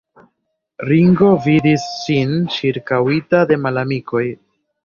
Ringo vidis sin ĉirkaŭita de malamikoj.